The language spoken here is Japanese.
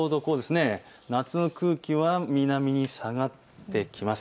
夏の空気は南に下がってきます。